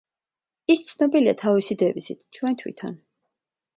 ის ცნობილია თავისი დევიზით: „ჩვენ თვითონ“.